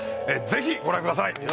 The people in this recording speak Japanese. ぜひご覧ください。